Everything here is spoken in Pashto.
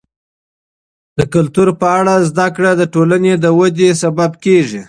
د کلتور په اړه زده کړه د ټولنې د ودي لامل کیږي.